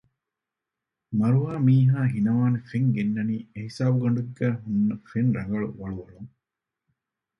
މަރުވާ މީހާ ހިނަވާނެ ފެން ގެންނަނީ އެހިސާބުގަނޑެއްގައި ހުންނަ ފެން ރަނގަޅު ވަޅުވަޅުން